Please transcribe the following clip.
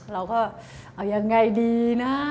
เราก็เอายังไงดีนะ